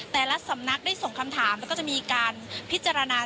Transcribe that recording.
แต่ละสำนักได้ส่งคำถามแล้วก็จะมีการพิจารณา